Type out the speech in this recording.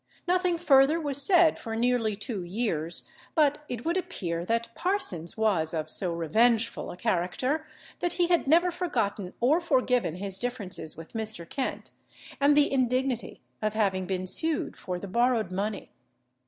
Nothing further was said for nearly two years; but it would appear that Parsons was of so revengeful a character, that he had never forgotten or forgiven his differences with Mr. Kent, and the indignity of having been sued for the borrowed money.